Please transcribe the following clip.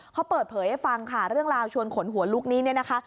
เขาเปิดเผยให้ฟังค่ะเรื่องราวชวนขนหัวลุกนี้เนี่ยนะคะ